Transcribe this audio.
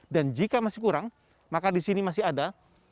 dan jika masih kurang maka di sini masih ada